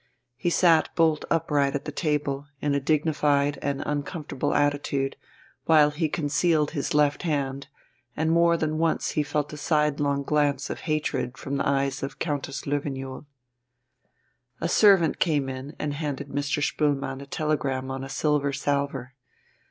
He sat bolt upright at the table, in a dignified and uncomfortable attitude, while he concealed his left hand, and more than once he felt a sidelong glance of hatred from the eyes of Countess Löwenjoul. A servant came in and handed Mr. Spoelmann a telegram on a silver salver.